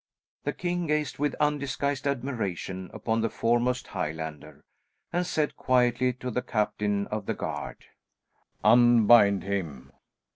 The king gazed with undisguised admiration upon the foremost Highlander, and said quietly to the captain of the guard, "Unbind him!"